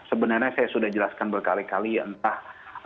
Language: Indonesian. sebenarnya saya sudah jelaskan berkali kali entah